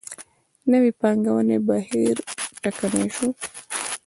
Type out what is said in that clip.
نوې پانګونې بهیر ټکنی شو.